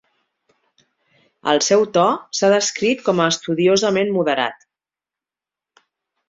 El seu to s'ha descrit com a estudiosament moderat.